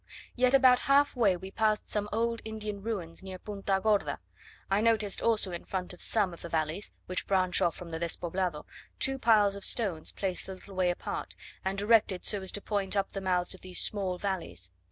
Yet about half way we passed some old Indian ruins near Punta Gorda: I noticed also in front of some of the valleys, which branch off from the Despoblado, two piles of stones placed a little way apart, and directed so as to point up the mouths of these small valleys.